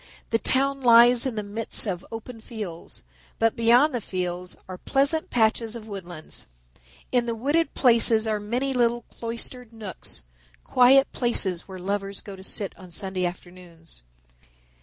The town lies in the midst of open fields, but beyond the fields are pleasant patches of woodlands. In the wooded places are many little cloistered nooks, quiet places where lovers go to sit on Sunday afternoons.